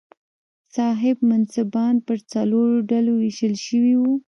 صاحب منصبان پر څلورو ډلو وېشل شوي وو.